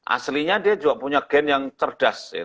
aslinya dia juga punya gen yang cerdas